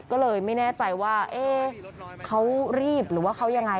ก็เลยไม่แน่ใจว่าเขารีบหรือว่าเขายังไง